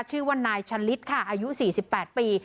ชื่อว่านายชะลิดค่ะอายุ๔๘ปี